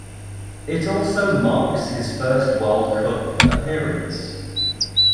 It also marks his first World Cup appearance.